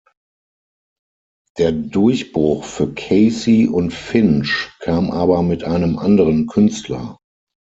Der Durchbruch für Casey und Finch kam aber mit einem anderen Künstler.